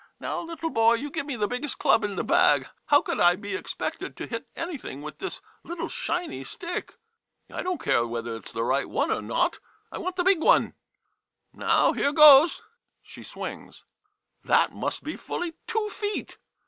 Now, little boy, you give me the biggest club in the bag — how could I be expected to hit anything with this little shinny stick ? I don't care whether it 's the right one or not — I want a big one. Now, here goes! [She swings.] That must be fully two feet!